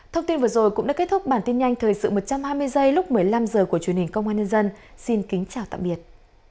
thông tin vừa rồi cũng đã kết thúc bản tin nhanh thời sự một trăm hai mươi giây lúc một mươi năm h của truyền hình công an nhân dân xin kính chào tạm biệt